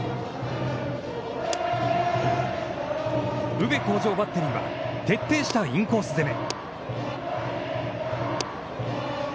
宇部鴻城バッテリーは徹底したインコース攻め。